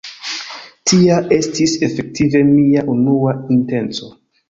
Tia estis efektive mia unua intenco.